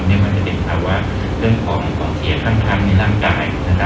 ชื่อต่อเลยความเสียข้างกลางในร่างกาย